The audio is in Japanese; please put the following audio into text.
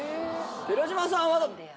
寺島さんはねえ？